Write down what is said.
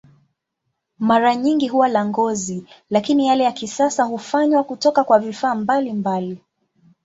Mara nyingi huwa la ngozi, lakini yale ya kisasa hufanywa kutoka kwa vifaa mbalimbali.